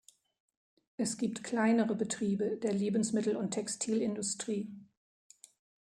Es gibt kleinere Betriebe der Lebensmittel- und Textilindustrie.